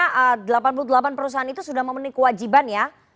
karena delapan puluh delapan perusahaan itu sudah memenuhi kewajiban ya